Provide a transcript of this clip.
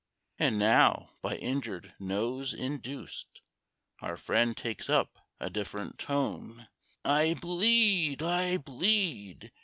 And now, by injured nose induced, Our friend takes up a different tone "I bleed, I bleed!"